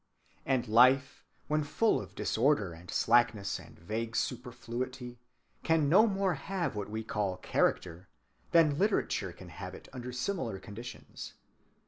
And life, when full of disorder and slackness and vague superfluity, can no more have what we call character than literature can have it under similar conditions.